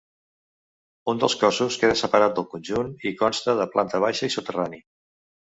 Un dels cossos queda separat del conjunt i consta de planta baixa i soterrani.